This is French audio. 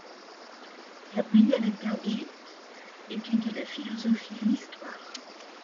Gabriele Tergit étudie la philosophie et l'histoire.